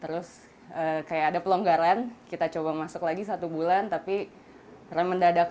terus kayak ada pelonggaran kita coba masuk lagi satu bulan tapi karena mendadak